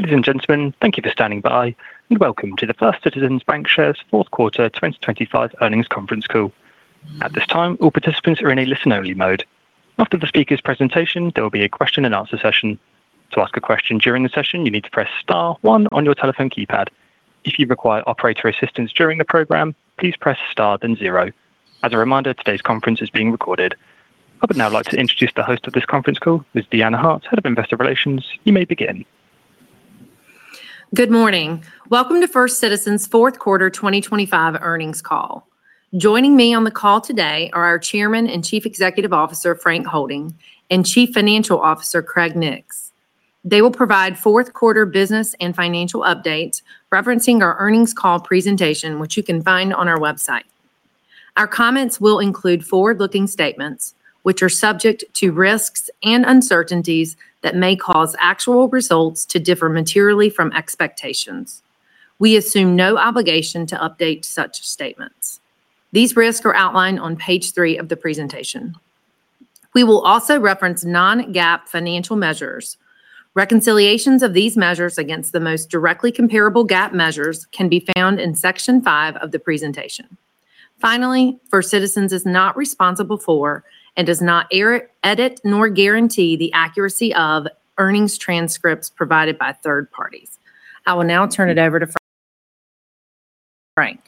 Ladies and gentlemen, thank you for standing by, and welcome to the First Citizens BancShares Fourth Quarter 2025 earnings conference call. At this time, all participants are in a listen-only mode. After the speaker's presentation, there will be a question-and-answer session. To ask a question during the session, you need to press star one on your telephone keypad. If you require operator assistance during the program, please press star then zero. As a reminder, today's conference is being recorded. I would now like to introduce the host of this conference call. This is Deanna Hart, Head of Investor Relations. You may begin. Good morning. Welcome to First Citizens' Fourth Quarter 2025 earnings call. Joining me on the call today are our Chairman and Chief Executive Officer, Frank Holding, and Chief Financial Officer, Craig Nix. They will provide fourth quarter business and financial updates referencing our earnings call presentation, which you can find on our website. Our comments will include forward-looking statements, which are subject to risks and uncertainties that may cause actual results to differ materially from expectations. We assume no obligation to update such statements. These risks are outlined on page three of the presentation. We will also reference non-GAAP financial measures. Reconciliations of these measures against the most directly comparable GAAP measures can be found in section five of the presentation. Finally, First Citizens is not responsible for and does not edit nor guarantee the accuracy of earnings transcripts provided by third parties. I will now turn it over to Frank.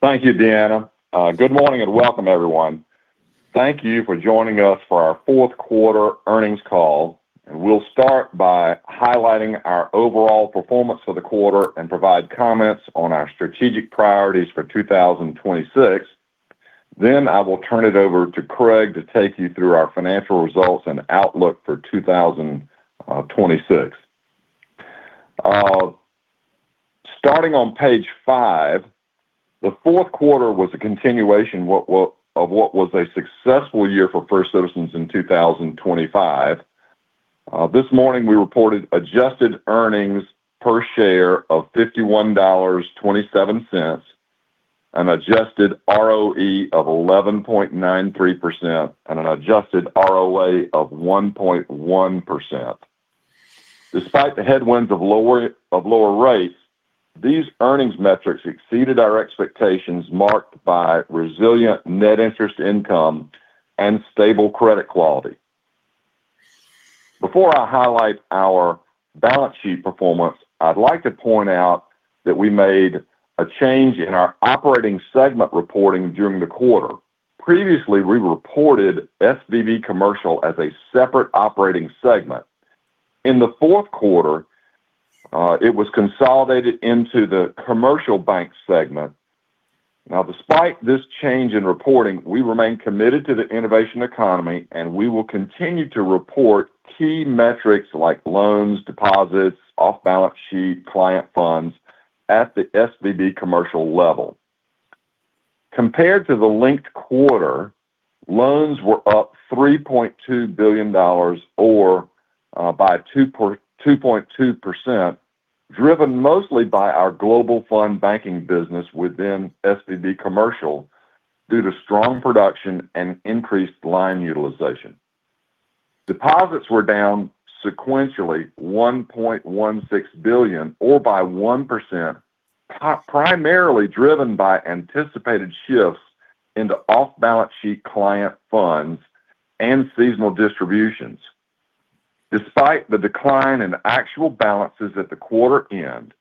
Thank you, Deanna. Good morning and welcome, everyone. Thank you for joining us for our fourth quarter earnings call. We'll start by highlighting our overall performance for the quarter and provide comments on our strategic priorities for 2026. Then I will turn it over to Craig to take you through our financial results and outlook for 2026. Starting on page 5, the fourth quarter was a continuation of what was a successful year for First Citizens in 2025. This morning, we reported adjusted earnings per share of $51.27, an adjusted ROE of 11.93%, and an adjusted ROA of 1.1%. Despite the headwinds of lower rates, these earnings metrics exceeded our expectations, marked by resilient net interest income and stable credit quality. Before I highlight our balance sheet performance, I'd like to point out that we made a change in our operating segment reporting during the quarter. Previously, we reported SVB Commercial as a separate operating segment. In the fourth quarter, it was consolidated into the Commercial Bank segment. Now, despite this change in reporting, we remain committed to the innovation economy, and we will continue to report key metrics like loans, deposits, off-balance sheet, and client funds at the SVB Commercial level. Compared to the linked quarter, loans were up $3.2 billion, or by 2.2%, driven mostly by our Global Fund Banking business within SVB Commercial due to strong production and increased line utilization. Deposits were down sequentially $1.16 billion, or by 1%, primarily driven by anticipated shifts into off-balance sheet client funds and seasonal distributions. Despite the decline in actual balances at the quarter end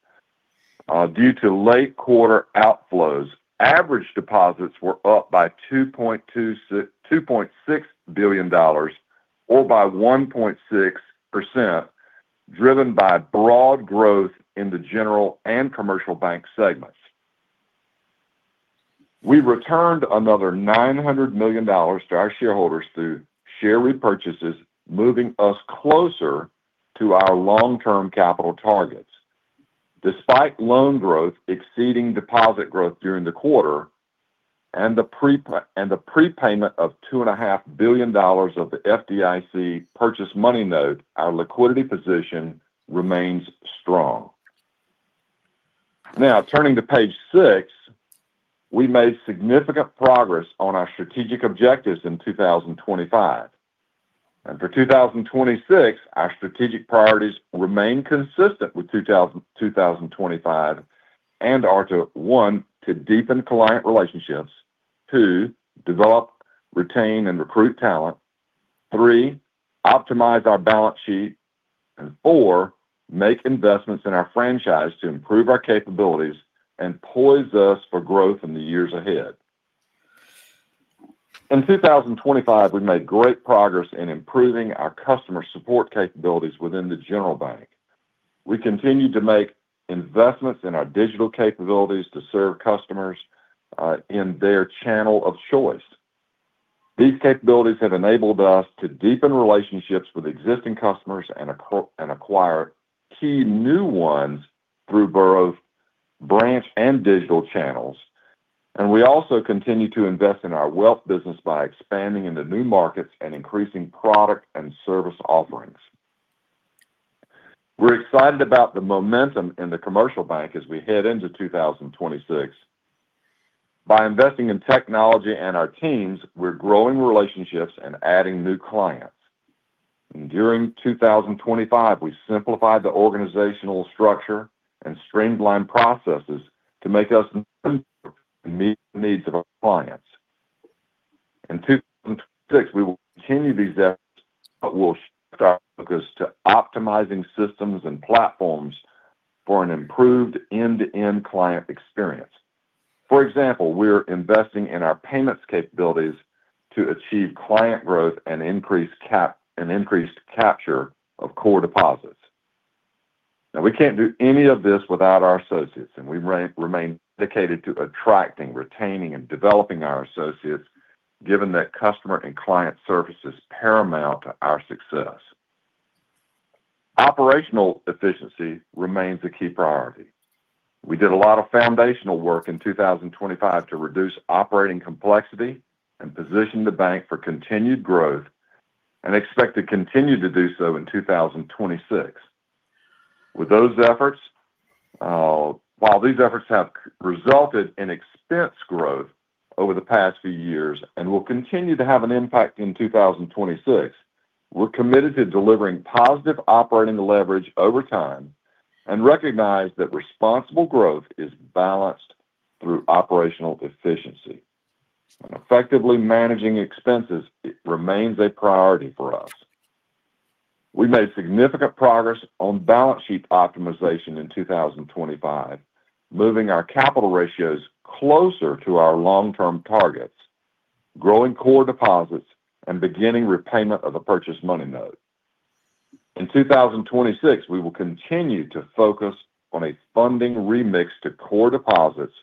due to late quarter outflows, average deposits were up by $2.6 billion, or by 1.6%, driven by broad growth in the general and Commercial Bank segments. We returned another $900 million to our shareholders through share repurchases, moving us closer to our long-term capital targets. Despite loan growth exceeding deposit growth during the quarter and the prepayment of $2.5 billion of the FDIC Purchase Money Note, our liquidity position remains strong. Now, turning to page six, we made significant progress on our strategic objectives in 2025. For 2026, our strategic priorities remain consistent with 2025 and are to, one, to deepen client relationships. Two, develop, retain, and recruit talent. Three, optimize our balance sheet. And four, make investments in our franchise to improve our capabilities and poise us for growth in the years ahead. In 2025, we made great progress in improving our customer support capabilities within the General Bank. We continued to make investments in our digital capabilities to serve customers in their channel of choice. These capabilities have enabled us to deepen relationships with existing customers and acquire key new ones through both branch and digital channels. We also continue to invest in our wealth business by expanding into new markets and increasing product and service offerings. We're excited about the momentum in the Commercial Bank as we head into 2026. By investing in technology and our teams, we're growing relationships and adding new clients. During 2025, we simplified the organizational structure and streamlined processes to make us meet the needs of our clients. In 2026, we will continue these efforts, but we'll shift our focus to optimizing systems and platforms for an improved end-to-end client experience. For example, we're investing in our payments capabilities to achieve client growth and increased capture of core deposits. Now, we can't do any of this without our associates, and we remain dedicated to attracting, retaining, and developing our associates, given that customer and client service is paramount to our success. Operational efficiency remains a key priority. We did a lot of foundational work in 2025 to reduce operating complexity and position the bank for continued growth and expect to continue to do so in 2026. With those efforts, while these efforts have resulted in expense growth over the past few years and will continue to have an impact in 2026, we're committed to delivering positive operating leverage over time and recognize that responsible growth is balanced through operational efficiency. Effectively managing expenses remains a priority for us. We made significant progress on balance sheet optimization in 2025, moving our capital ratios closer to our long-term targets, growing core deposits, and beginning repayment of the Purchase Money Note. In 2026, we will continue to focus on a funding remix to core deposits,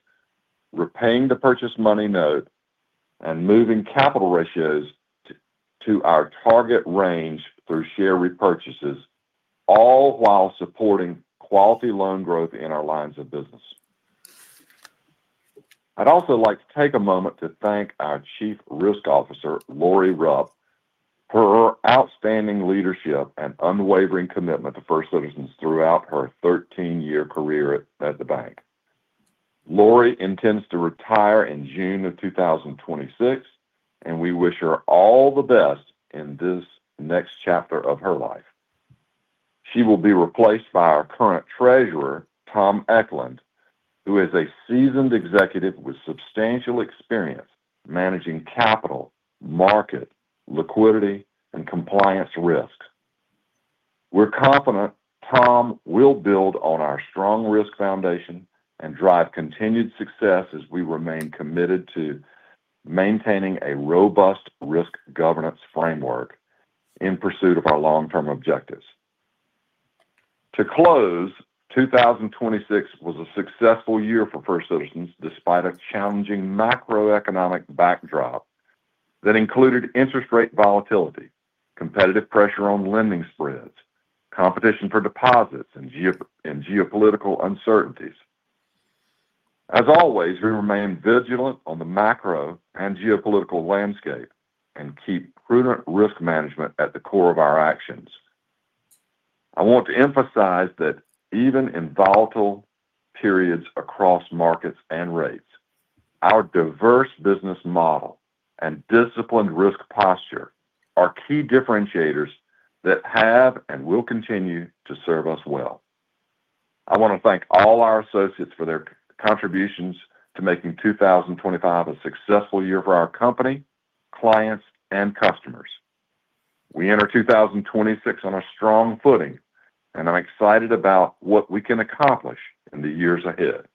repaying the Purchase Money Note, and moving capital ratios to our target range through share repurchases, all while supporting quality loan growth in our lines of business. I'd also like to take a moment to thank our Chief Risk Officer, Lorie Rupp, for her outstanding leadership and unwavering commitment to First Citizens throughout her 13-year career at the bank. Lorie intends to retire in June of 2026, and we wish her all the best in this next chapter of her life. She will be replaced by our current treasurer, Tom Eklund, who is a seasoned executive with substantial experience managing capital, market, liquidity, and compliance risks. We're confident Tom will build on our strong risk foundation and drive continued success as we remain committed to maintaining a robust risk governance framework in pursuit of our long-term objectives. To close, 2026 was a successful year for First Citizens despite a challenging macroeconomic backdrop that included interest rate volatility, competitive pressure on lending spreads, competition for deposits, and geopolitical uncertainties. As always, we remain vigilant on the macro and geopolitical landscape and keep prudent risk management at the core of our actions. I want to emphasize that even in volatile periods across markets and rates, our diverse business model and disciplined risk posture are key differentiators that have and will continue to serve us well. I want to thank all our associates for their contributions to making 2025 a successful year for our company, clients, and customers. We enter 2026 on a strong footing, and I'm excited about what we can accomplish in the years ahead.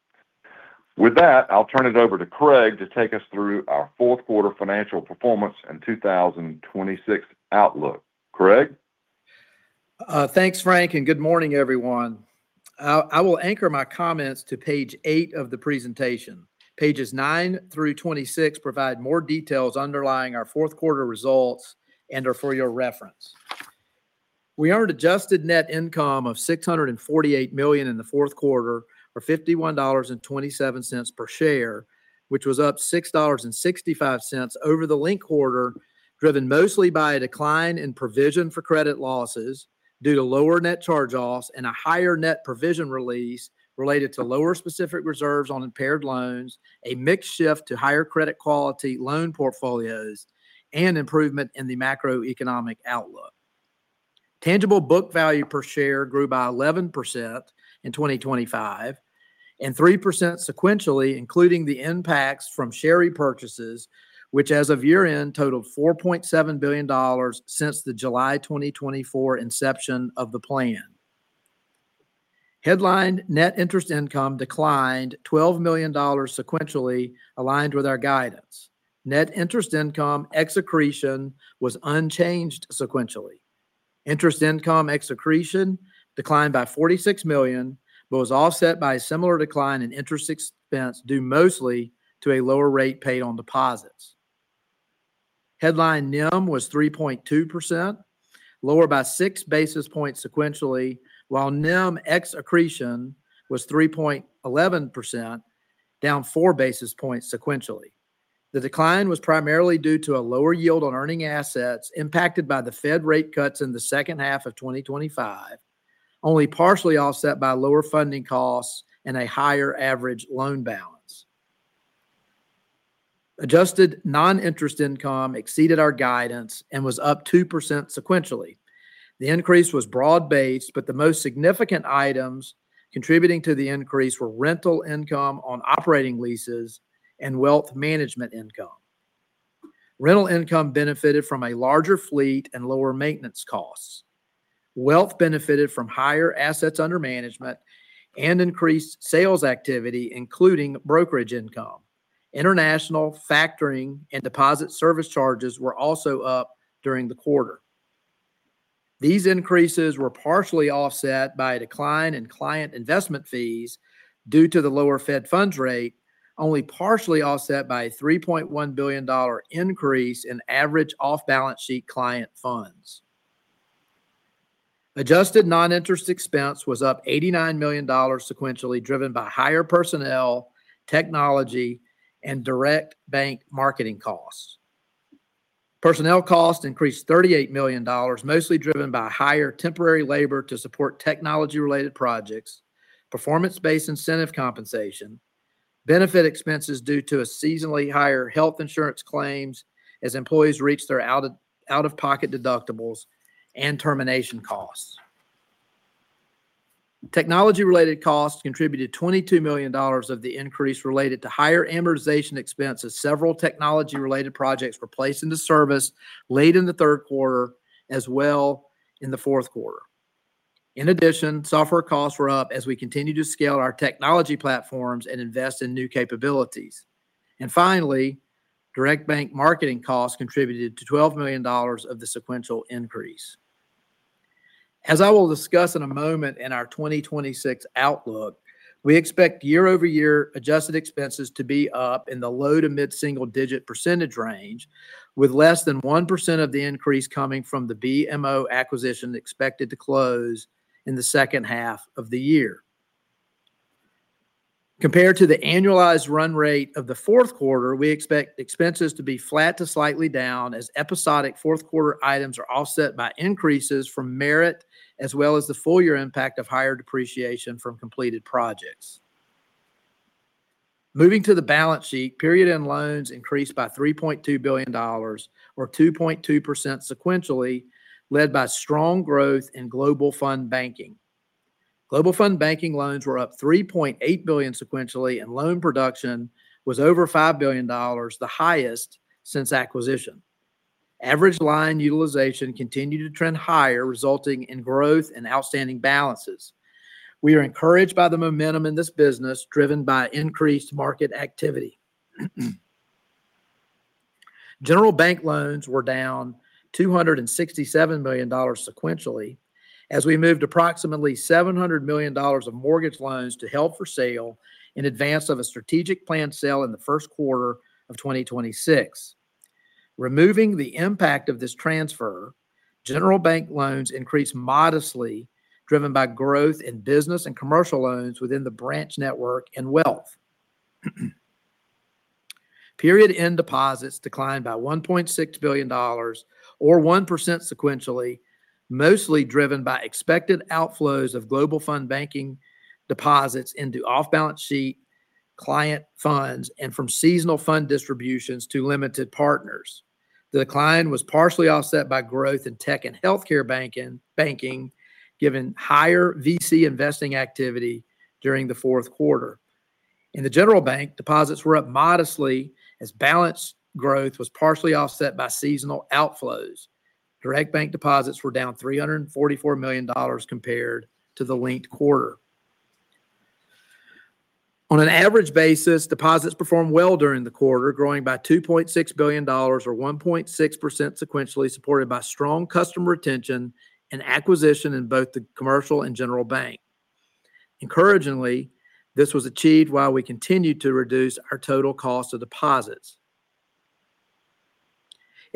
With that, I'll turn it over to Craig to take us through our fourth quarter financial performance and 2026 outlook. Craig? Thanks, Frank, and good morning, everyone. I will anchor my comments to page 8 of the presentation. Pages 9 through 26 provide more details underlying our fourth quarter results and are for your reference. We earned adjusted net income of $648 million in the fourth quarter, or $51.27 per share, which was up $6.65 over the linked quarter, driven mostly by a decline in provision for credit losses due to lower net charge-offs and a higher net provision release related to lower specific reserves on impaired loans, a mixed shift to higher credit quality loan portfolios, and improvement in the macroeconomic outlook. Tangible book value per share grew by 11% in 2025 and 3% sequentially, including the impacts from share repurchases, which as of year-end totaled $4.7 billion since the July 2024 inception of the plan. Headline net interest income declined $12 million sequentially, aligned with our guidance. Net interest income accretion was unchanged sequentially. Interest income accretion declined by $46 million, but was offset by a similar decline in interest expense due mostly to a lower rate paid on deposits. Headline NIM was 3.2%, lower by six basis points sequentially, while NIM accretion was 3.11%, down four basis points sequentially. The decline was primarily due to a lower yield on earning assets impacted by the Fed rate cuts in the second half of 2025, only partially offset by lower funding costs and a higher average loan balance. Adjusted non-interest income exceeded our guidance and was up 2% sequentially. The increase was broad-based, but the most significant items contributing to the increase were rental income on operating leases and wealth management income. Rental income benefited from a larger fleet and lower maintenance costs. Wealth benefited from higher assets under management and increased sales activity, including brokerage income. International factoring and deposit service charges were also up during the quarter. These increases were partially offset by a decline in client investment fees due to the lower Fed funds rate, only partially offset by a $3.1 billion increase in average off-balance sheet client funds. Adjusted non-interest expense was up $89 million sequentially, driven by higher personnel, technology, and Direct Bank marketing costs. Personnel costs increased $38 million, mostly driven by higher temporary labor to support technology-related projects, performance-based incentive compensation, benefit expenses due to a seasonally higher health insurance claims as employees reached their out-of-pocket deductibles, and termination costs. Technology-related costs contributed $22 million of the increase related to higher amortization expense as several technology-related projects were placed into service late in the third quarter, as well in the fourth quarter. In addition, software costs were up as we continued to scale our technology platforms and invest in new capabilities. And finally, Direct Bank marketing costs contributed to $12 million of the sequential increase. As I will discuss in a moment in our 2026 outlook, we expect year-over-year adjusted expenses to be up in the low to mid-single-digit percentage range, with less than 1% of the increase coming from the BMO acquisition expected to close in the second half of the year. Compared to the annualized run rate of the fourth quarter, we expect expenses to be flat to slightly down as episodic fourth quarter items are offset by increases from merit as well as the full-year impact of higher depreciation from completed projects. Moving to the balance sheet, period-end loans increased by $3.2 billion, or 2.2% sequentially, led by strong growth in Global Fund Banking. Global Fund Banking loans were up $3.8 billion sequentially, and loan production was over $5 billion, the highest since acquisition. Average line utilization continued to trend higher, resulting in growth in outstanding balances. We are encouraged by the momentum in this business, driven by increased market activity. General Bank loans were down $267 million sequentially as we moved approximately $700 million of mortgage loans to held for sale in advance of a strategically planned sale in the first quarter of 2026. Removing the impact of this transfer, General Banking loans increased modestly, driven by growth in business and commercial loans within the branch network and wealth. Period-end deposits declined by $1.6 billion, or 1% sequentially, mostly driven by expected outflows of Global Fund Banking deposits into off-balance sheet client funds and from seasonal fund distributions to limited partners. The decline was partially offset by growth in tech and healthcare banking, given higher VC investing activity during the fourth quarter. In the General Bank, deposits were up modestly as balance growth was partially offset by seasonal outflows. Direct Bank deposits were down $344 million compared to the linked quarter. On an average basis, deposits performed well during the quarter, growing by $2.6 billion, or 1.6% sequentially, supported by strong customer retention and acquisition in both the Commercial and General Bank. Encouragingly, this was achieved while we continued to reduce our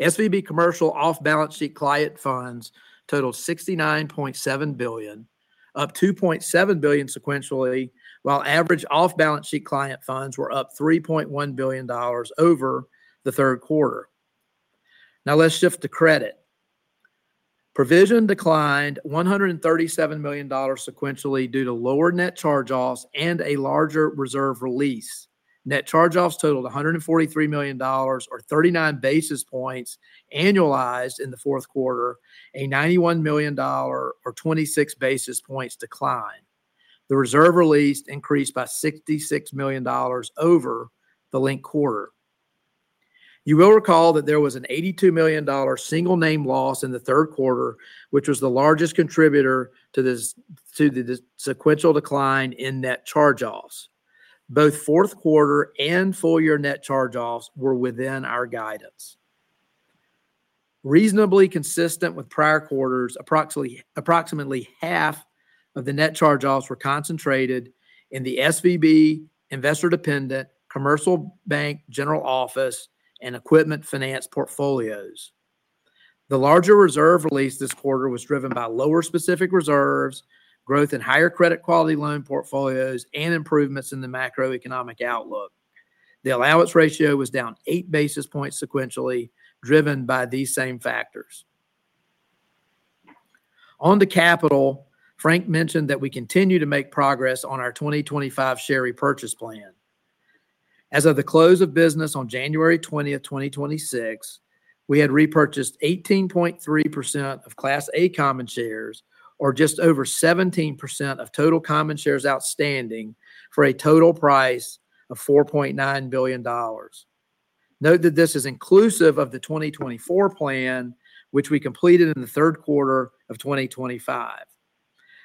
total cost of deposits. SVB Commercial off-balance sheet client funds totaled $69.7 billion, up $2.7 billion sequentially, while average off-balance sheet client funds were up $3.1 billion over the third quarter. Now let's shift to credit. Provision declined $137 million sequentially due to lower net charge-offs and a larger reserve release. Net charge-offs totaled $143 million, or 39 basis points annualized in the fourth quarter, a $91 million, or 26 basis points decline. The reserve released increased by $66 million over the linked quarter. You will recall that there was an $82 million single-name loss in the third quarter, which was the largest contributor to the sequential decline in net charge-offs. Both fourth quarter and full-year net charge-offs were within our guidance. Reasonably consistent with prior quarters, approximately half of the net charge-offs were concentrated in the SVB investor-dependent Commercial Bank general office and equipment finance portfolios. The larger reserve released this quarter was driven by lower specific reserves, growth in higher credit quality loan portfolios, and improvements in the macroeconomic outlook. The allowance ratio was down eight basis points sequentially, driven by these same factors. On the capital, Frank mentioned that we continue to make progress on our 2025 share repurchase plan. As of the close of business on January 20th, 2026, we had repurchased 18.3% of Class A common shares, or just over 17% of total common shares outstanding for a total price of $4.9 billion. Note that this is inclusive of the 2024 plan, which we completed in the third quarter of 2025.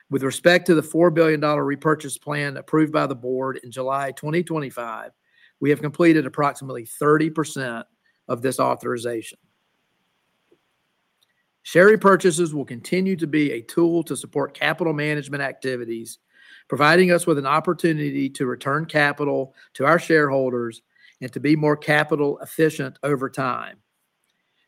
With respect to the $4 billion repurchase plan approved by the board in July 2025, we have completed approximately 30% of this authorization. Share repurchases will continue to be a tool to support capital management activities, providing us with an opportunity to return capital to our shareholders and to be more capital efficient over time.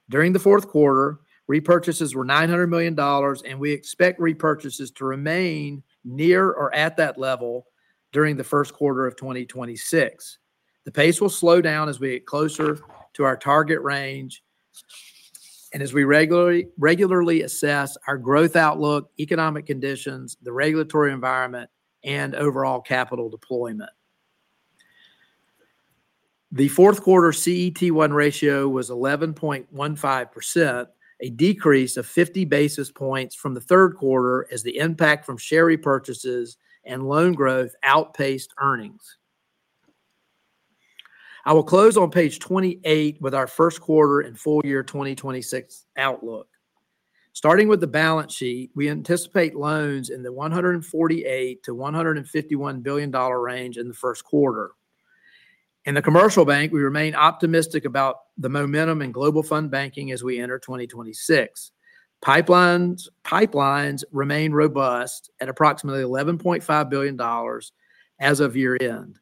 During the fourth quarter, repurchases were $900 million, and we expect repurchases to remain near or at that level during the first quarter of 2026. The pace will slow down as we get closer to our target range and as we regularly assess our growth outlook, economic conditions, the regulatory environment, and overall capital deployment. The fourth quarter CET1 ratio was 11.15%, a decrease of 50 basis points from the third quarter as the impact from share repurchases and loan growth outpaced earnings. I will close on page 28 with our first quarter and full-year 2026 outlook. Starting with the balance sheet, we anticipate loans in the $148 billion-$151 billion range in the first quarter. In the Commercial Bank, we remain optimistic about the momentum in Global Fund Banking as we enter 2026. Pipelines remain robust at approximately $11.5 billion as of year-end.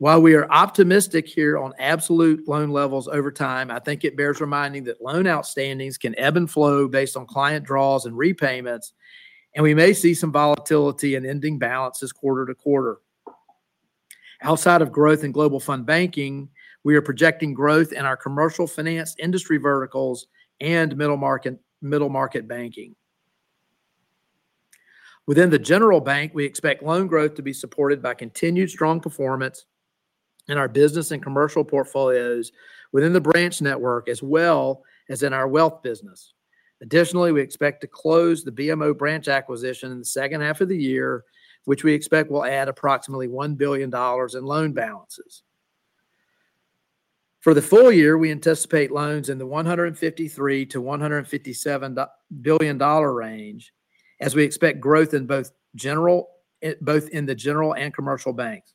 While we are optimistic here on absolute loan levels over time, I think it bears reminding that loan outstandings can ebb and flow based on client draws and repayments, and we may see some volatility in ending balances quarter to quarter. Outside of growth in Global Fund Banking, we are projecting growth in our commercial finance industry verticals and middle market banking. Within the General Bank, we expect loan growth to be supported by continued strong performance in our business and commercial portfolios within the branch network, as well as in our wealth business. Additionally, we expect to close the BMO branch acquisition in the second half of the year, which we expect will add approximately $1 billion in loan balances. For the full year, we anticipate loans in the $153 billion-$157 billion range, as we expect growth in both general and Commercial Banks.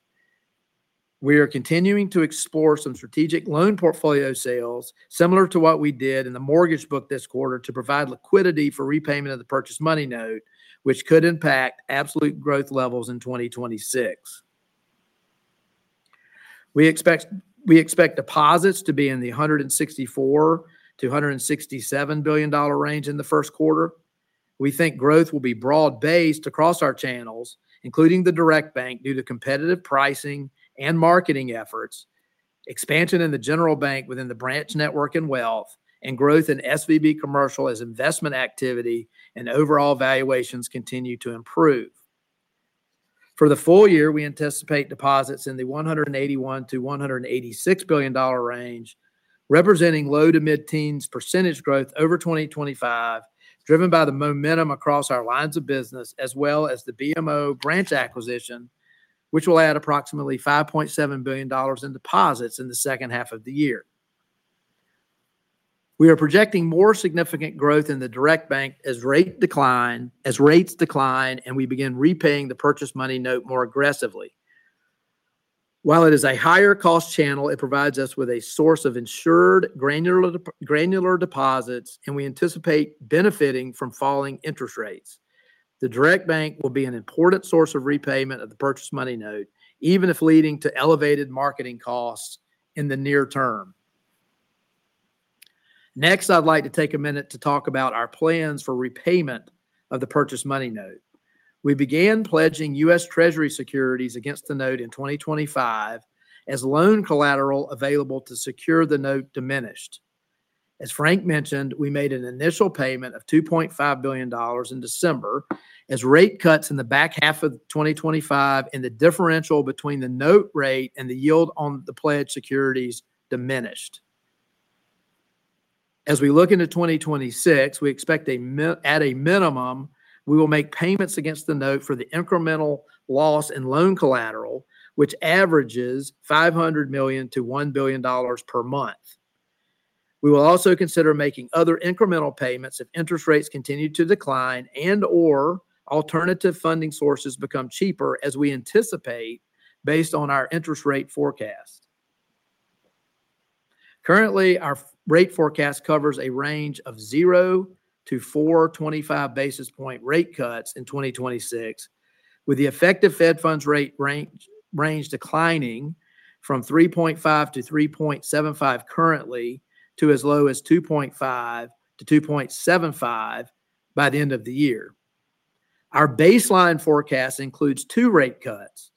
We are continuing to explore some strategic loan portfolio sales, similar to what we did in the mortgage book this quarter, to provide liquidity for repayment of the Purchase Money Note, which could impact absolute growth levels in 2026. We expect deposits to be in the $164 billion-$167 billion range in the first quarter. We think growth will be broad-based across our channels, including the Direct Bank, due to competitive pricing and marketing efforts, expansion in the General Bank within the branch network and wealth, and growth in SVB Commercial as investment activity and overall valuations continue to improve. For the full year, we anticipate deposits in the $181 billion-$186 billion range, representing low- to mid-teens percentage growth over 2025, driven by the momentum across our lines of business, as well as the BMO branch acquisition, which will add approximately $5.7 billion in deposits in the second half of the year. We are projecting more significant growth in the Direct Bank as rates decline, and we begin repaying the Purchase Money Note more aggressively. While it is a higher cost channel, it provides us with a source of insured granular deposits, and we anticipate benefiting from falling interest rates. The Direct Bank will be an important source of repayment of the Purchase Money Note, even if leading to elevated marketing costs in the near term. Next, I'd like to take a minute to talk about our plans for repayment of the Purchase Money Note. We began pledging U.S. Treasury securities against the note in 2025 as loan collateral available to secure the note diminished. As Frank mentioned, we made an initial payment of $2.5 billion in December. As rate cuts in the back half of 2025 and the differential between the note rate and the yield on the pledged securities diminished. As we look into 2026, we expect at a minimum we will make payments against the note for the incremental loss in loan collateral, which averages $500 million-$1 billion per month. We will also consider making other incremental payments if interest rates continue to decline and/or alternative funding sources become cheaper, as we anticipate based on our interest rate forecast. Currently, our rate forecast covers a range of 0-4 25 basis point rate cuts in 2026, with the effective Fed funds rate range declining from 3.5%-3.75% currently to as low as 2.5%-2.75% by the end of the year. Our baseline forecast includes 2 rate cuts,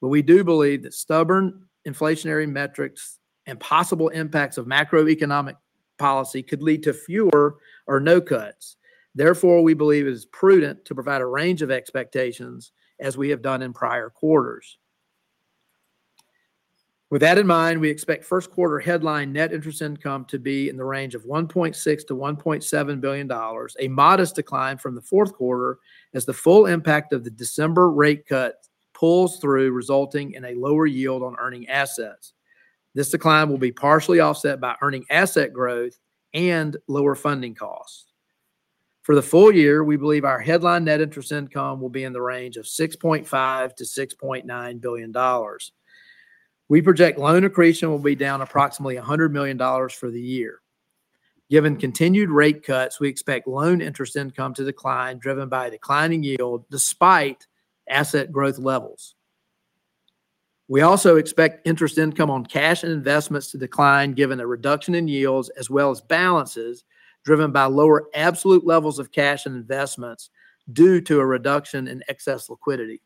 but we do believe that stubborn inflationary metrics and possible impacts of macroeconomic policy could lead to fewer or no cuts. Therefore, we believe it is prudent to provide a range of expectations as we have done in prior quarters. With that in mind, we expect first quarter headline net interest income to be in the range of $1.6 billion-$1.7 billion, a modest decline from the fourth quarter as the full impact of the December rate cut pulls through, resulting in a lower yield on earning assets. This decline will be partially offset by earning asset growth and lower funding costs. For the full year, we believe our headline net interest income will be in the range of $6.5 billion-$6.9 billion. We project loan accretion will be down approximately $100 million for the year. Given continued rate cuts, we expect loan interest income to decline driven by declining yield despite asset growth levels. We also expect interest income on cash and investments to decline given a reduction in yields as well as balances driven by lower absolute levels of cash and investments due to a reduction in excess liquidity.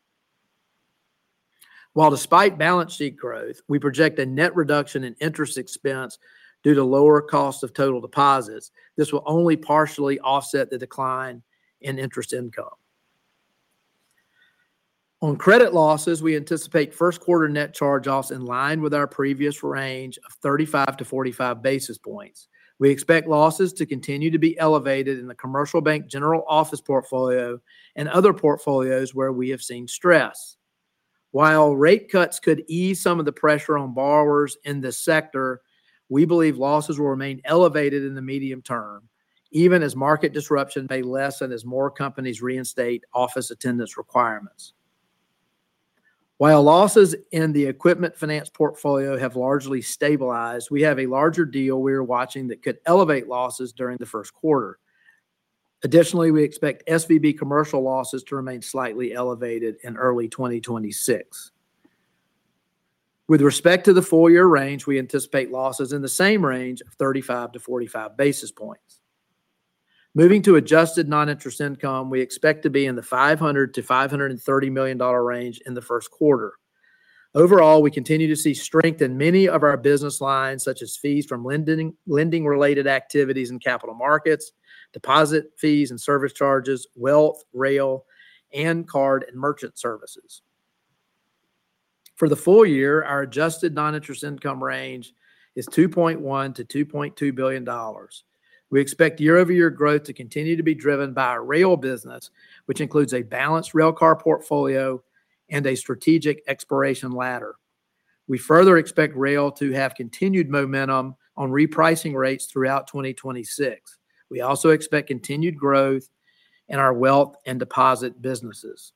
While, despite balance sheet growth, we project a net reduction in interest expense due to lower cost of total deposits, this will only partially offset the decline in interest income. On credit losses, we anticipate first quarter net charge-offs in line with our previous range of 35-45 basis points. We expect losses to continue to be elevated in the Commercial Bank general office portfolio and other portfolios where we have seen stress. While rate cuts could ease some of the pressure on borrowers in this sector, we believe losses will remain elevated in the medium term, even as market disruption may lessen as more companies reinstate office attendance requirements. While losses in the equipment finance portfolio have largely stabilized, we have a larger deal we are watching that could elevate losses during the first quarter. Additionally, we expect SVB commercial losses to remain slightly elevated in early 2026. With respect to the full-year range, we anticipate losses in the same range of 35-45 basis points. Moving to adjusted non-interest income, we expect to be in the $500 million-$530 million range in the first quarter. Overall, we continue to see strength in many of our business lines, such as fees from lending-related activities in capital markets, deposit fees and service charges, wealth, rail, and card and merchant services. For the full year, our adjusted non-interest income range is $2.1 billion-$2.2 billion. We expect year-over-year growth to continue to be driven by our rail business, which includes a balanced railcar portfolio and a strategic exploration ladder. We further expect rail to have continued momentum on repricing rates throughout 2026. We also expect continued growth in our wealth and deposit businesses.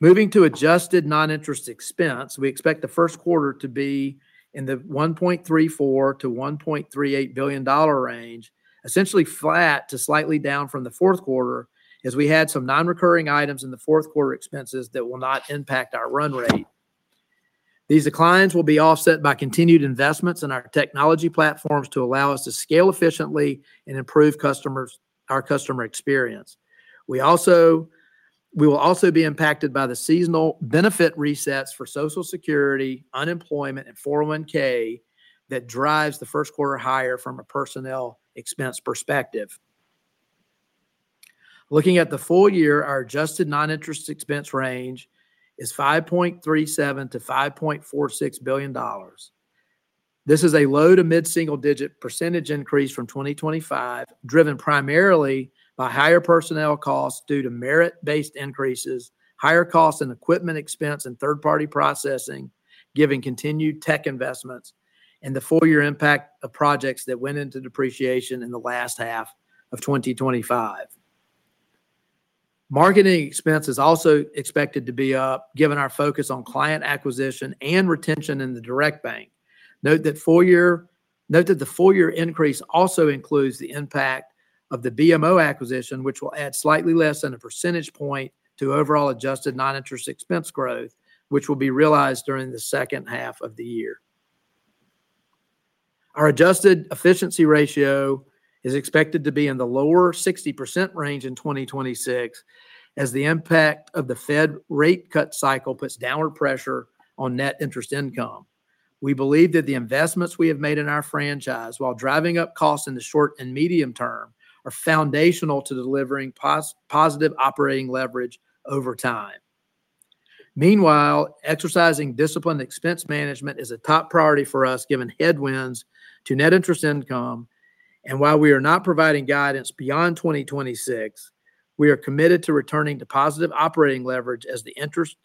Moving to adjusted non-interest expense, we expect the first quarter to be in the $1.34 billion-$1.38 billion range, essentially flat to slightly down from the fourth quarter, as we had some non-recurring items in the fourth quarter expenses that will not impact our run rate. These declines will be offset by continued investments in our technology platforms to allow us to scale efficiently and improve our customer experience. We will also be impacted by the seasonal benefit resets for Social Security, unemployment, and 401(k) that drives the first quarter higher from a personnel expense perspective. Looking at the full year, our adjusted non-interest expense range is $5.37 billion-$5.46 billion. This is a low to mid-single-digit percentage increase from 2025, driven primarily by higher personnel costs due to merit-based increases, higher costs in equipment expense and third-party processing, given continued tech investments, and the full-year impact of projects that went into depreciation in the last half of 2025. Marketing expense is also expected to be up, given our focus on client acquisition and retention in the Direct Bank. Note that the full-year increase also includes the impact of the BMO acquisition, which will add slightly less than a percentage point to overall adjusted non-interest expense growth, which will be realized during the second half of the year. Our adjusted efficiency ratio is expected to be in the lower 60% range in 2026, as the impact of the Fed rate cut cycle puts downward pressure on net interest income. We believe that the investments we have made in our franchise, while driving up costs in the short and medium term, are foundational to delivering positive operating leverage over time. Meanwhile, exercising disciplined expense management is a top priority for us, given headwinds to net interest income. While we are not providing guidance beyond 2026, we are committed to returning to positive operating leverage as the interest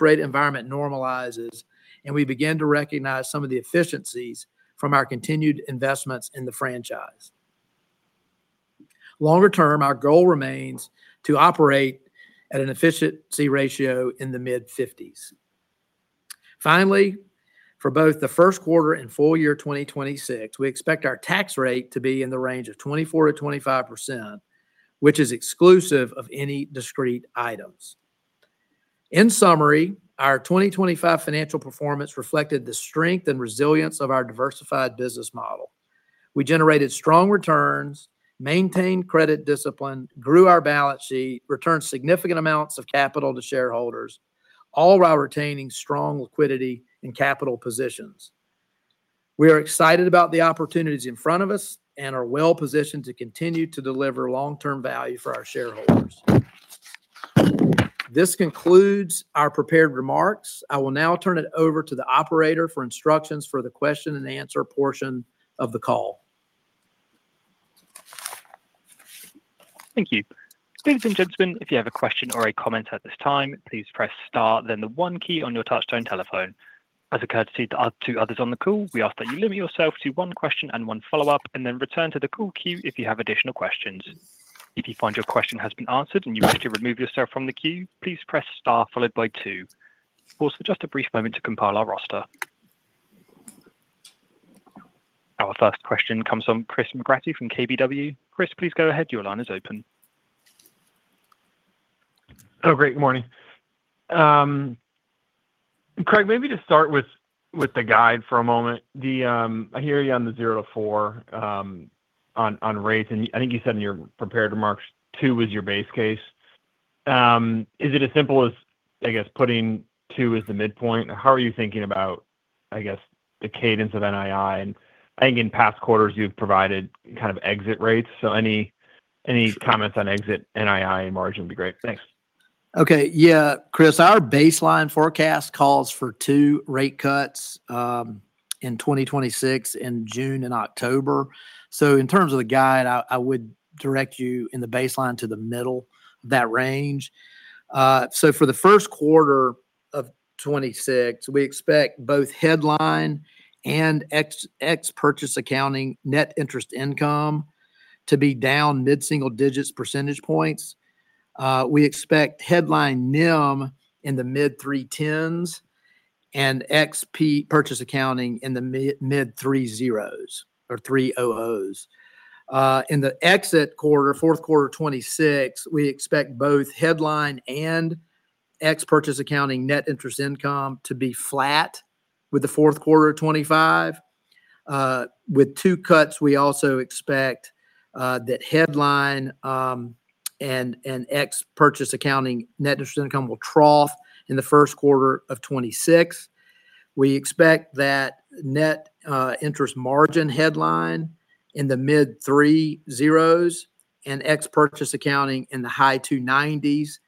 rate environment normalizes and we begin to recognize some of the efficiencies from our continued investments in the franchise. Longer term, our goal remains to operate at an efficiency ratio in the mid-50s. Finally, for both the first quarter and full year 2026, we expect our tax rate to be in the range of 24%-25%, which is exclusive of any discrete items. In summary, our 2025 financial performance reflected the strength and resilience of our diversified business model. We generated strong returns, maintained credit discipline, grew our balance sheet, returned significant amounts of capital to shareholders, all while retaining strong liquidity and capital positions. We are excited about the opportunities in front of us and are well-positioned to continue to deliver long-term value for our shareholders. This concludes our prepared remarks. I will now turn it over to the operator for instructions for the question-and-answer portion of the call. Thank you. Ladies and gentlemen, if you have a question or a comment at this time, please press star, then the one key on your touch-tone telephone. As a courtesy to the others on the call, we ask that you limit yourself to one question and one follow-up, and then return to the call queue if you have additional questions. If you find your question has been answered and you wish to remove yourself from the queue, please press star followed by two. We'll also take just a brief moment to compile our roster. Our first question comes from Chris McGratty from KBW. Chris, please go ahead. Your line is open. Hello. Great. Good morning. Craig, maybe to start with the guide for a moment, I hear you on the 0-4 on rates. And I think you said in your prepared remarks, 2 was your base case. Is it as simple as, I guess, putting 2 as the midpoint? How are you thinking about, I guess, the cadence of NII? And I think in past quarters, you've provided kind of exit rates. So any comments on exit NII and margin would be great. Thanks. Okay. Yeah. Chris, our baseline forecast calls for 2 rate cuts in 2026 in June and October. So in terms of the guide, I would direct you in the baseline to the middle of that range. So for the first quarter of 2026, we expect both headline and ex-purchase accounting net interest income to be down mid-single digits percentage points. We expect headline NIM in the mid-3.10s and ex-purchase accounting in the mid-3.0s or 3.00s. In the exit quarter, fourth quarter 2026, we expect both headline and ex-purchase accounting net interest income to be flat with the fourth quarter of 2025. With 2 cuts, we also expect that headline and ex-purchase accounting net interest income will trough in the first quarter of 2026. We expect that net interest margin headline in the mid-3.0s and ex-purchase accounting in the high 2.90s,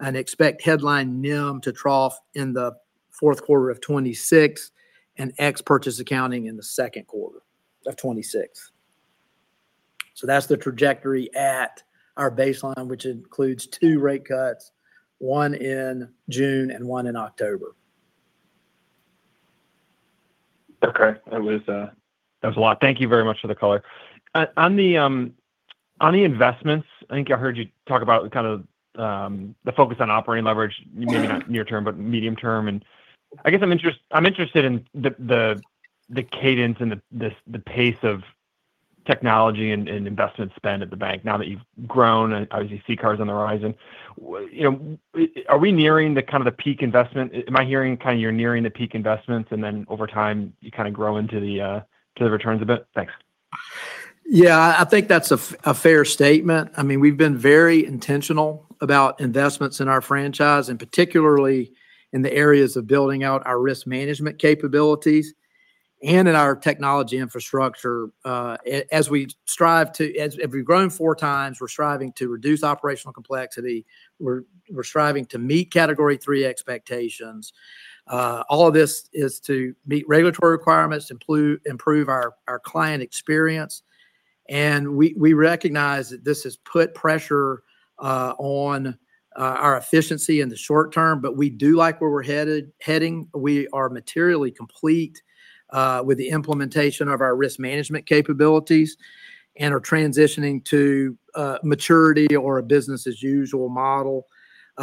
and expect headline NIM to trough in the fourth quarter of 2026 and ex-purchase accounting in the second quarter of 2026. So that's the trajectory at our baseline, which includes two rate cuts, one in June and one in October. Okay. That was a lot. Thank you very much for the color. On the investments, I think I heard you talk about kind of the focus on operating leverage, maybe not near-term, but medium-term. And I guess I'm interested in the cadence and the pace of technology and investment spend at the bank now that you've grown, obviously, SVB's on the horizon. Are we nearing kind of the peak investment? Am I hearing kind of you're nearing the peak investments, and then over time, you kind of grow into the returns a bit? Thanks. Yeah. I think that's a fair statement. I mean, we've been very intentional about investments in our franchise, and particularly in the areas of building out our risk management capabilities and in our technology infrastructure. As we strive to, as we've grown four times, we're striving to reduce operational complexity. We're striving to meet Category III expectations. All of this is to meet regulatory requirements, improve our client experience. We recognize that this has put pressure on our efficiency in the short-term, but we do like where we're heading. We are materially complete with the implementation of our risk management capabilities and are transitioning to maturity or a business-as-usual model.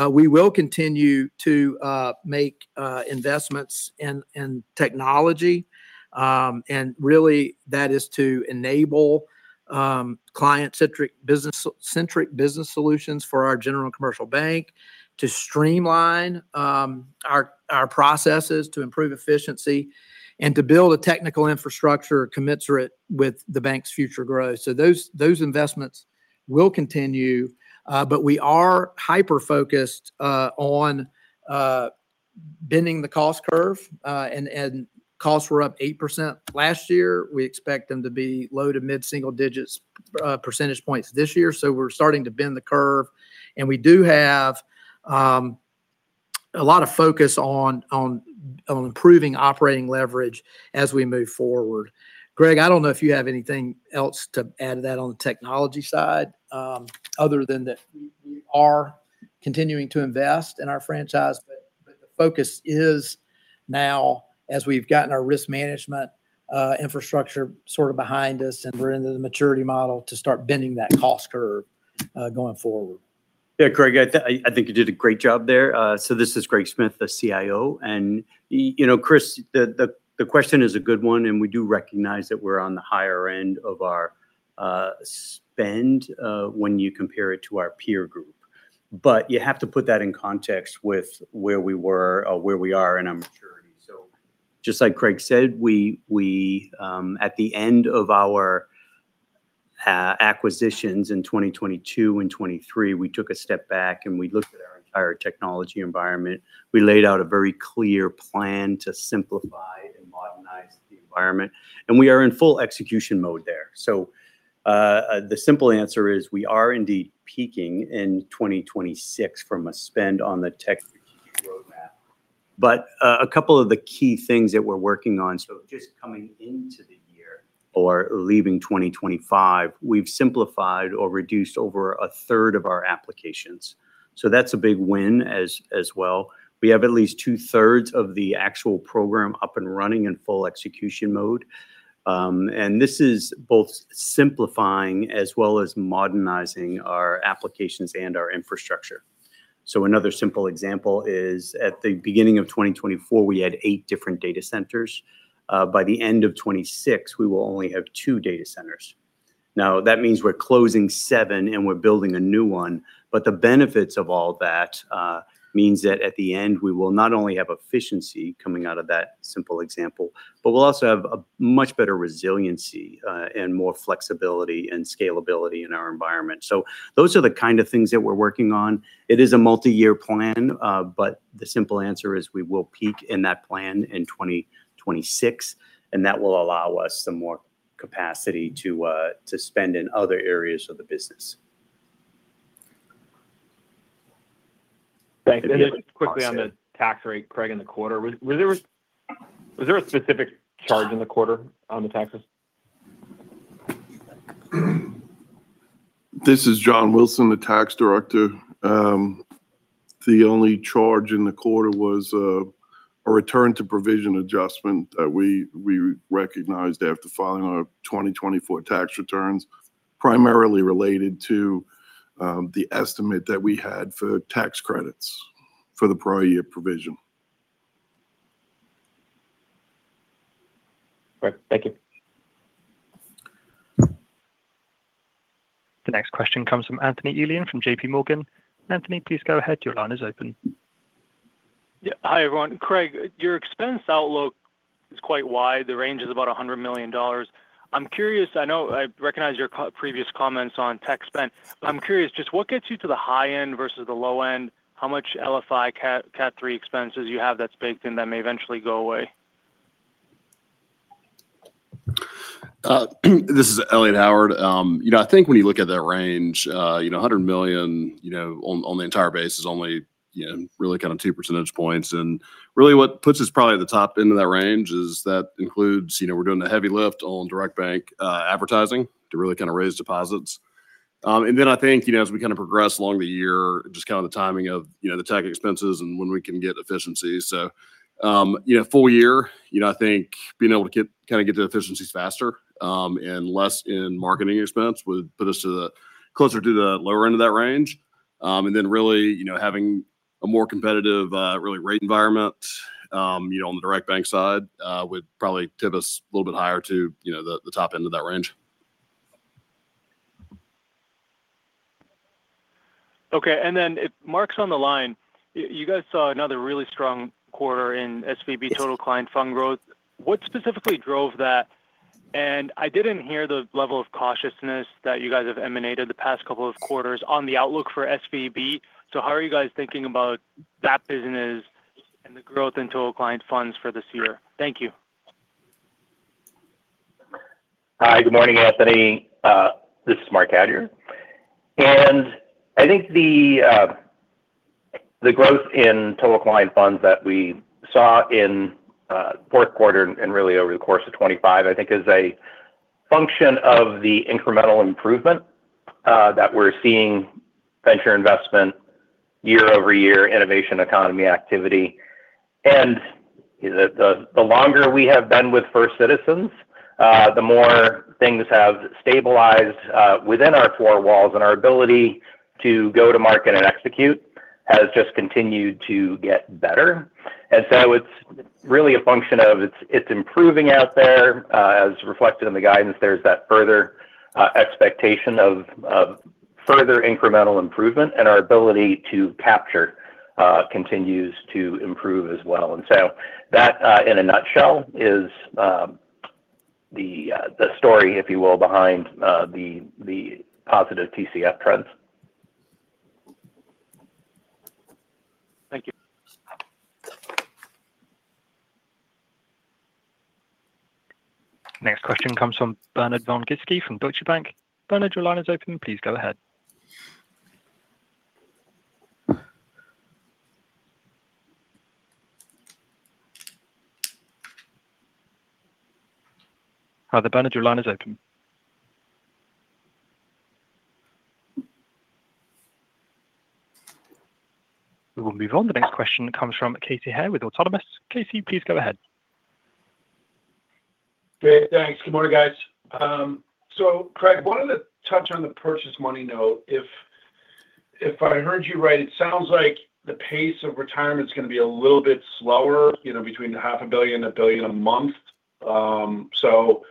We will continue to make investments in technology. And really, that is to enable client-centric business solutions for our general and Commercial Bank, to streamline our processes, to improve efficiency, and to build a technical infrastructure commensurate with the bank's future growth. So those investments will continue, but we are hyper-focused on bending the cost curve. And costs were up 8% last year. We expect them to be low- to mid-single digits percentage points this year. So we're starting to bend the curve. And we do have a lot of focus on improving operating leverage as we move forward. Greg, I don't know if you have anything else to add to that on the technology side other than that we are continuing to invest in our franchise, but the focus is now, as we've gotten our risk management infrastructure sort of behind us, and we're in the maturity model to start bending that cost curve going forward. Yeah, Craig, I think you did a great job there. So this is Greg Smith, the CIO. And Chris, the question is a good one, and we do recognize that we're on the higher end of our spend when you compare it to our peer group. But you have to put that in context with where we were or where we are in our maturity. So just like Craig said, at the end of our acquisitions in 2022 and 2023, we took a step back, and we looked at our entire technology environment. We laid out a very clear plan to simplify and modernize the environment. And we are in full execution mode there. So the simple answer is we are indeed peaking in 2026 from a spend on the tech strategic roadmap. But a couple of the key things that we're working on, so just coming into the year or leaving 2025, we've simplified or reduced over a third of our applications. So that's a big win as well. We have at least two-thirds of the actual program up and running in full execution mode. And this is both simplifying as well as modernizing our applications and our infrastructure. So another simple example is at the beginning of 2024, we had 8 different data centers. By the end of 2026, we will only have 2 data centers. Now, that means we're closing 7, and we're building a new one. But the benefits of all that means that at the end, we will not only have efficiency coming out of that simple example, but we'll also have a much better resiliency and more flexibility and scalability in our environment. So those are the kind of things that we're working on. It is a multi-year plan, but the simple answer is we will peak in that plan in 2026, and that will allow us some more capacity to spend in other areas of the business. Thank you. And quickly on the tax rate, Craig, in the quarter, was there a specific charge in the quarter on the taxes? This is John Wilson, the Tax Director. The only charge in the quarter was a return to provision adjustment that we recognized after filing our 2024 tax returns, primarily related to the estimate that we had for tax credits for the prior year provision. Great. Thank you. The next question comes from Anthony Elian from JPMorgan. Anthony, please go ahead. Your line is open. Yeah. Hi, everyone. Craig, your expense outlook is quite wide. The range is about $100 million. I'm curious. I know I recognize your previous comments on tech spend. I'm curious, just what gets you to the high end versus the low end? How much LFI, CAT III expenses you have that's baked in that may eventually go away? This is Elliott Howard. I think when you look at that range, $100 million on the entire base is only really kind of 2 percentage points. And really, what puts us probably at the top end of that range is that includes we're doing a heavy lift on Direct Bank advertising to really kind of raise deposits. And then I think as we kind of progress along the year, just kind of the timing of the tech expenses and when we can get efficiencies. So, full year, I think being able to kind of get to efficiencies faster and less in marketing expense would put us closer to the lower end of that range. And then really having a more competitive, really, rate environment on the Direct Bank side would probably tip us a little bit higher to the top end of that range. Okay. And then Marc's on the line, you guys saw another really strong quarter in SVB total client fund growth. What specifically drove that? And I didn't hear the level of cautiousness that you guys have emanated the past couple of quarters on the outlook for SVB. So how are you guys thinking about that business and the growth in total client funds for this year? Thank you. Hi. Good morning, Anthony. This is Marc Cadieux. And I think the growth in total client funds that we saw in fourth quarter and really over the course of 2025, I think, is a function of the incremental improvement that we're seeing venture investment year over year, innovation economy activity. And the longer we have been with First Citizens, the more things have stabilized within our four walls, and our ability to go to market and execute has just continued to get better. And so it's really a function of it's improving out there. As reflected in the guidance, there's that further expectation of further incremental improvement, and our ability to capture continues to improve as well. And so that, in a nutshell, is the story, if you will, behind the positive TCF trends. Thank you. Next question comes from Bernard von Gizycki from Deutsche Bank. Bernard, your line is open. Please go ahead. Hi there. Bernard, your line is open. We will move on. The next question comes from Casey Haire with Autonomous. Casey, please go ahead. Great. Thanks. Good morning, guys. So, Craig, I wanted to touch on the Purchase Money Note. If I heard you right, it sounds like the pace of retirement is going to be a little bit slower between $500 million and $1 billion a month, so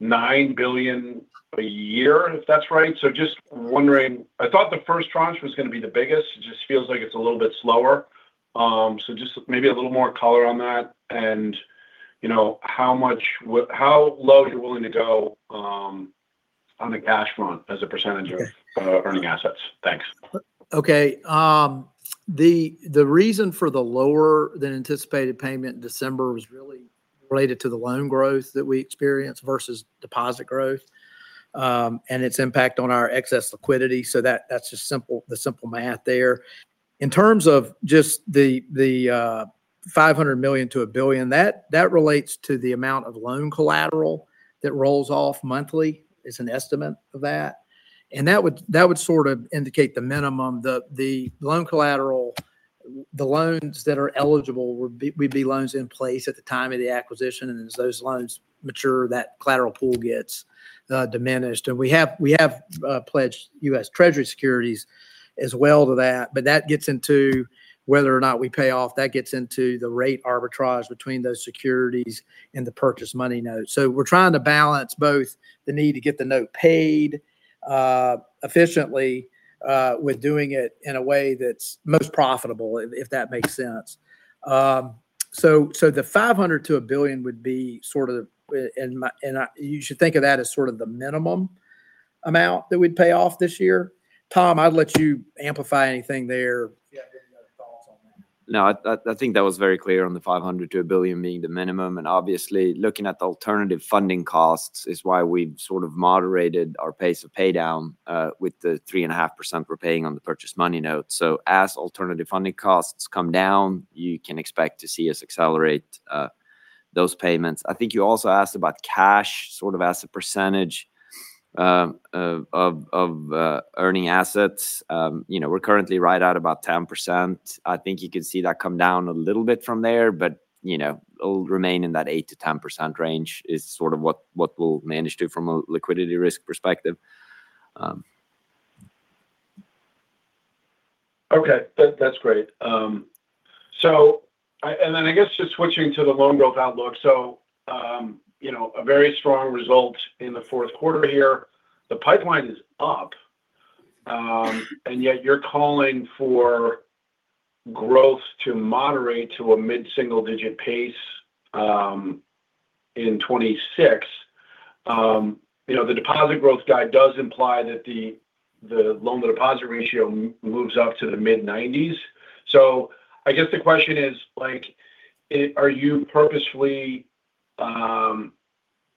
$9 billion a year, if that's right. So just wondering, I thought the first tranche was going to be the biggest. It just feels like it's a little bit slower. So just maybe a little more color on that and how low you're willing to go on the cash front as a percentage of earning assets. Thanks. Okay. The reason for the lower-than-anticipated payment in December was really related to the loan growth that we experienced versus deposit growth and its impact on our excess liquidity. So that's just the simple math there. In terms of just the $500 million-$1 billion, that relates to the amount of loan collateral that rolls off monthly. It's an estimate of that. And that would sort of indicate the minimum. The loans that are eligible would be loans in place at the time of the acquisition. And as those loans mature, that collateral pool gets diminished. And we have pledged U.S. Treasury securities as well to that. But that gets into whether or not we pay off. That gets into the rate arbitrage between those securities and the Purchase Money Note. So we're trying to balance both the need to get the note paid efficiently with doing it in a way that's most profitable, if that makes sense. So the $500 million-$1 billion would be sort of, and you should think of that as sort of the minimum amount that we'd pay off this year. Tom, I'll let you amplify anything there. Yeah. Any other thoughts on that? No, I think that was very clear on the $500 million-$1 billion being the minimum. And obviously, looking at the alternative funding costs is why we've sort of moderated our pace of paydown with the 3.5% we're paying on the Purchase Money Note. So as alternative funding costs come down, you can expect to see us accelerate those payments. I think you also asked about cash sort of as a percentage of earning assets. We're currently right at about 10%. I think you can see that come down a little bit from there, but it'll remain in that 8%-10% range is sort of what we'll manage to from a liquidity risk perspective. Okay. That's great. And then I guess just switching to the loan growth outlook. So a very strong result in the fourth quarter here. The pipeline is up, and yet you're calling for growth to moderate to a mid-single digit pace in 2026. The deposit growth guide does imply that the loan-to-deposit ratio moves up to the mid-90s. So I guess the question is, are you purposefully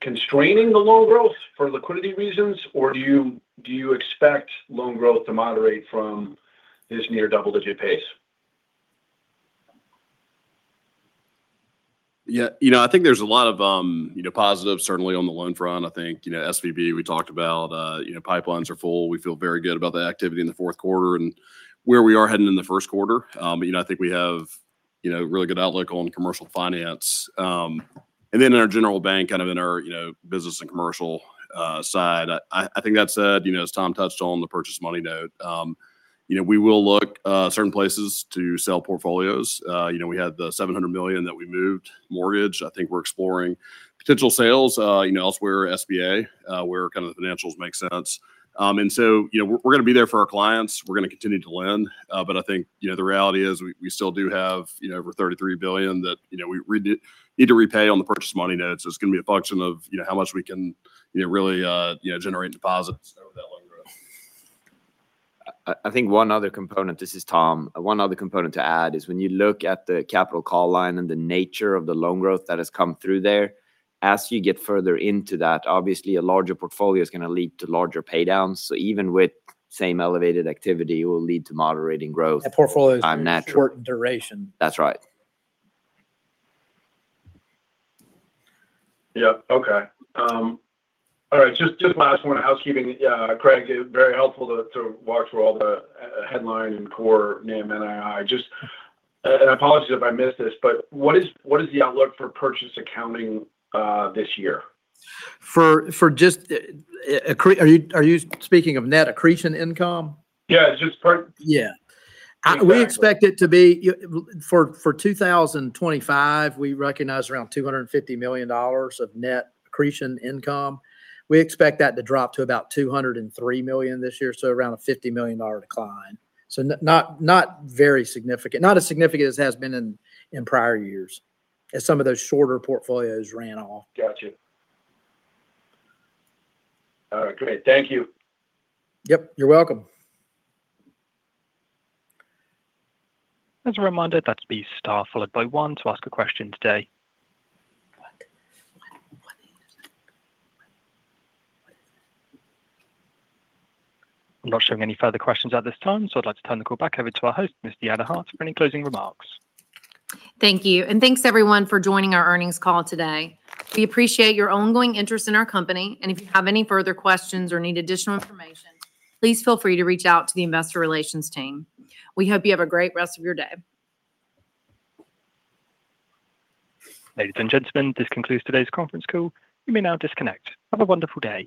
constraining the loan growth for liquidity reasons, or do you expect loan growth to moderate from this near double-digit pace? Yeah. I think there's a lot of positive, certainly on the loan front. I think SVB, we talked about pipelines are full. We feel very good about the activity in the fourth quarter and where we are heading in the first quarter. But I think we have a really good outlook on commercial finance. And then in our General Bank, kind of in our business and commercial side, I think that said, as Tom touched on the Purchase Money Note, we will look at certain places to sell portfolios. We had the $700 million that we moved mortgage. I think we're exploring potential sales elsewhere, SBA, where kind of the financials make sense. And so we're going to be there for our clients. We're going to continue to lend. But I think the reality is we still do have over $33 billion that we need to repay on the Purchase Money Note. So it's going to be a function of how much we can really generate in deposits over that loan growth. I think one other component, this is Tom, one other component to add is when you look at the capital call line and the nature of the loan growth that has come through there, as you get further into that, obviously, a larger portfolio is going to lead to larger paydowns. So even with same elevated activity, it will lead to moderating growth. And portfolio is important duration. That's right. Yep. Okay. All right. Just last one, housekeeping. Craig, very helpful to watch for all the headline and core NIM and NII. And apologies if I missed this, but what is the outlook for purchase accounting this year? Are you speaking of net accretion income? Yeah. Just part. Yeah. We expect it to be for 2025, we recognize around $250 million of net accretion income. We expect that to drop to about $203 million this year, so around a $50 million decline. So not very significant. Not as significant as it has been in prior years as some of those shorter portfolios ran off. Gotcha. All right. Great. Thank you. Yep. You're welcome. As a reminder, that's the star followed by one to ask a question today. I'm not showing any further questions at this time, so I'd like to turn the call back over to our host, Ms. Deanna Hart, for any closing remarks. Thank you. And thanks, everyone, for joining our earnings call today. We appreciate your ongoing interest in our company. And if you have any further questions or need additional information, please feel free to reach out to the investor relations team. We hope you have a great rest of your day. Ladies and gentlemen, this concludes today's conference call. You may now disconnect. Have a wonderful day.